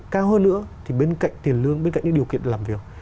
cao hơn nữa thì bên cạnh tiền lương bên cạnh những điều kiện làm việc